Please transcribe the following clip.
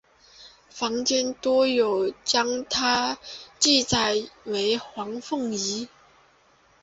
坊间多有将她记载为黄凤仪。